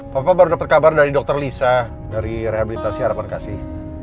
bapak baru dapet kabar dari dr lisa dari rehabilitasi harapan kasih